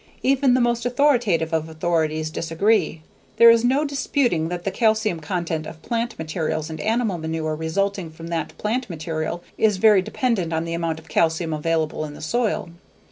Even the most authoritative of authorities disagree. There is no disputing that the calcium content of plant material and animal manure resulting from that plant material is very dependent on the amount of calcium available in the soil.